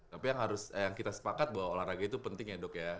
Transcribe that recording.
tapi yang harus yang kita sepakat bahwa olahraga itu penting ya dok ya